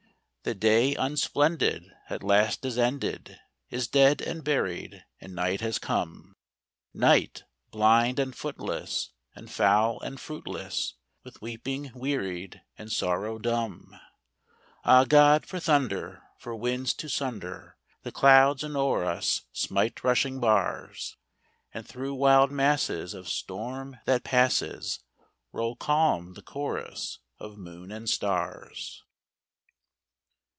The day, unsplendid, at last is ended, Is dead and buried, and night has come; Night, blind and footless, and foul and fruitless, With weeping wearied, and sorrow dumb. Ah, God! for thunder! for winds to sunder The clouds and o'er us smite rushing bars! And through wild masses of storm, that passes, Roll calm the chorus of moon and stars.